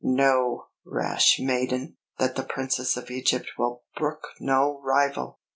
Know, rash maiden, that the Princess of Egypt will brook no rival!"